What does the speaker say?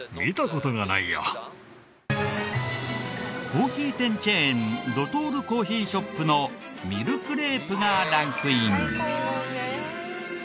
コーヒー店チェーンドトールコーヒーショップのミルクレープがランクイン。